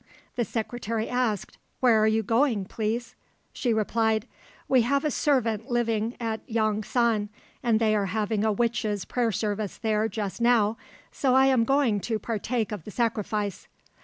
The secretary asked, "Where are you going, please?" She replied, "We have a servant living at Yong san, and they are having a witches' prayer service there just now, so I am going to partake of the sacrifice."